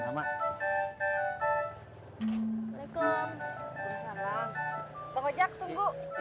babe mau naikin seluruh sewa kontrakannya